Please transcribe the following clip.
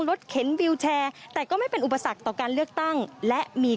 เข็นวิวแชร์แต่ก็ไม่เป็นอุปสรรคต่อการเลือกตั้งและมี